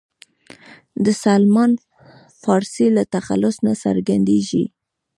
د سلمان فارسي له تخلص نه څرګندېږي.